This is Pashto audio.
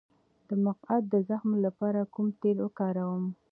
د مقعد د زخم لپاره کوم تېل وکاروم؟